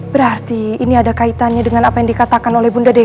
berarti ini ada kaitannya dengan apa yang dikatakan oleh bunda dewi